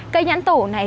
cây nhãn tổ này